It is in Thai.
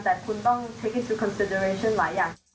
เกรดเจ้าสำคัญแต่คุณต้องคิดถึงหลายอย่าง